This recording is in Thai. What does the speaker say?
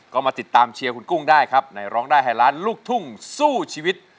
ก็มาติดตามเชียร์คุณกุ้งได้ครับในร้องได้ให้ล้านลูกทุ่งสู้ชีวิต